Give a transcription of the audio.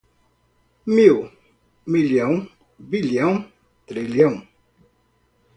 mil, milhão, bilhão, trilhão.